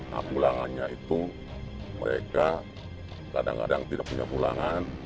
nah pulangannya itu mereka kadang kadang tidak punya pulangan